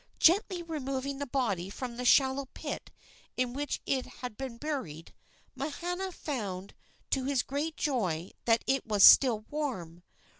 Gently removing the body from the shallow pit in which it had been buried, Mahana found to his great joy that it was still warm.